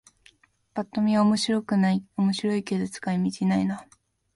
ぱっと見は面白いけど使い道ないな